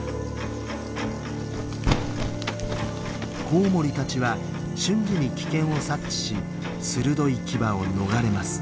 コウモリたちは瞬時に危険を察知し鋭い牙を逃れます。